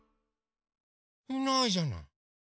いないじゃない。